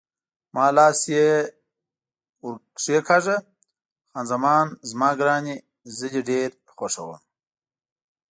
ما لاس یې ور کښېکاږه: خان زمان زما ګرانې، زه دې ډېر خوښوم.